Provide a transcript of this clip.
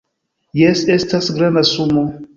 Jes, estas granda sumo